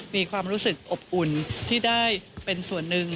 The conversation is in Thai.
มีความรู้สึกอบอุ่นที่ได้เป็นส่วนหนึ่ง